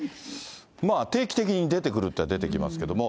定期的に出てくるっちゃ出てきますけども。